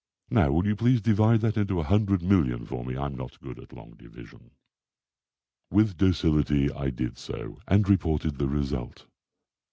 Now, will you please divide that into a hundred million for me? I'm not good at long division." With docility I did so, and reported the result.